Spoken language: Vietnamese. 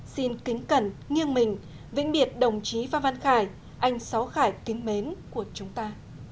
xin kính cẩn nghiêng mình vĩnh biệt đồng chí phan văn khải anh sáu khải kính mến của chúng ta